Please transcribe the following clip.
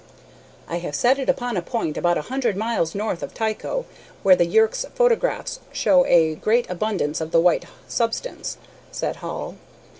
"I have set it upon a point about a hundred miles north of Tycho, where the Yerkes photographs show a great abundance of the white substance," said Hall.